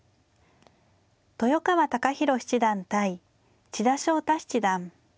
豊川孝弘七段対千田翔太七段。